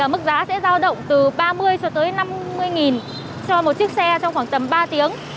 mức giá sẽ giao động từ ba mươi năm mươi nghìn cho một chiếc xe trong khoảng tầm ba tiếng